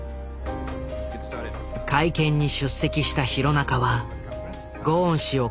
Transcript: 会見に出席した弘中はと主張。